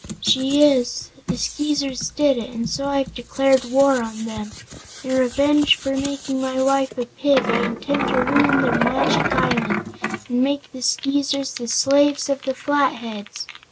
"She is. The Skeezers did it and so I have declared war on them. In revenge for making my wife a Pig I intend to ruin their Magic Island and make the Skeezers the slaves of the Flatheads!"